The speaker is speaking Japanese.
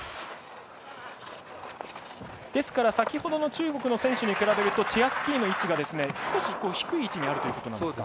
ですから先ほどの中国の選手と比べるとチェアスキーの位置が少し低い位置にあるということ。